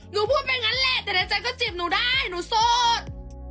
พูดอย่างนั้นแหละแต่ในใจก็จีบหนูได้หนูสด